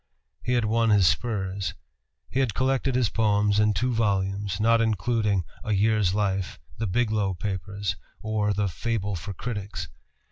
He had won his spurs. He had collected his poems in two volumes, not including "A Year's Life," the "Biglow Papers," or the "Fable for Critics."